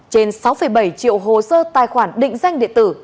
trên sáu bảy triệu hồ sơ tài khoản định danh điện tử